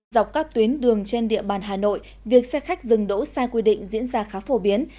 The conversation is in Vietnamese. dọc các tuyến đường trên địa bàn hà nội việc xe khách dừng đỗ sai quy định diễn ra khá phổ biến